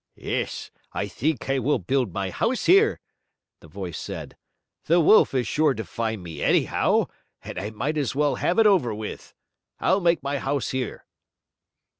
"Yes, I think I will build my house here," the voice said. "The wolf is sure to find me anyhow, and I might as well have it over with. I'll make my house here."